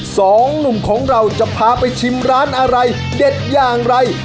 สองหนุ่มของเราจะพาไปชิมร้านอะไรเด็ดอย่างไร